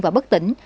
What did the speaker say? và bất tỉnh